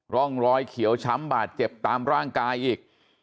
ร่องรอยเขียวช้ำบาดเจ็บตามร่างกายอีก